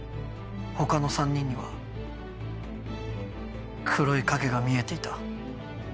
他の３人には黒い影が見えていた。